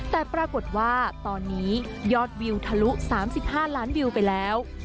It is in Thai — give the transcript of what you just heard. แต่ปรากฏว่าตอนนี้ยอดวิวทะลุ๓๕ล้านวิวไปแล้ว